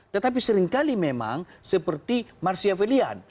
tetapi seringkali memang seperti marcia felian